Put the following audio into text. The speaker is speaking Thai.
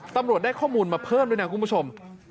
ตำรวจได้ข้อมูลมาเพิ่มด้วยนะคุณผู้ชม